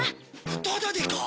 タダでか！？